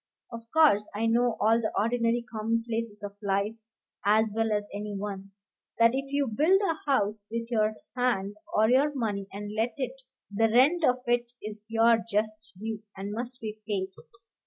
Of course I know all the ordinary commonplaces of life as well as any one, that if you build a house with your hand or your money, and let it, the rent of it is your just due; and must be paid.